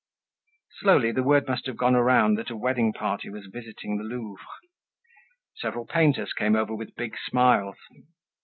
Slowly the word must have gone around that a wedding party was visiting the Louvre. Several painters came over with big smiles.